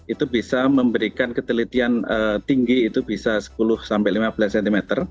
itu bisa memberikan ketelitian tinggi itu bisa sepuluh sampai lima belas cm